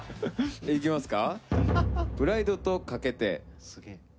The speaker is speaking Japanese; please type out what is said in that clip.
いきますか。